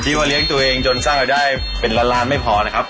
ว่าเลี้ยงตัวเองจนสร้างรายได้เป็นล้านล้านไม่พอนะครับ